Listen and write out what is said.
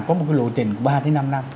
có một cái lộ trình ba năm năm